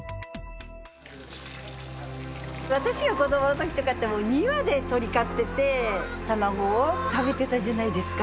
私が子供のときとかってもう庭で鶏飼ってて卵を食べてたじゃないですか。